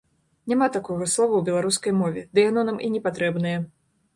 Няма такога слова ў беларускай мове, ды яно нам і непатрэбнае.